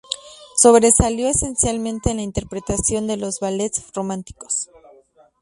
Sobresalió esencialmente en la interpretación de los ballets románticos.